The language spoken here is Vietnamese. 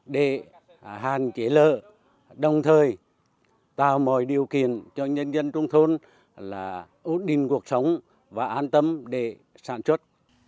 đồng thời tạo mọi điều kiện cho nhân dân trung thôn là ưu định cuộc sống và an tâm để sản xuất